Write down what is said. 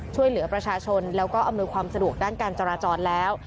ช่วยเหลือประชาชนแล้วก็อำนวยความสะดวกด้านการจราจรแล้ว